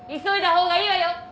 急いだ方がいいわよ